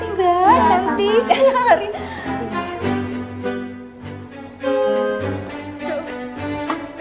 makasih mbak cantik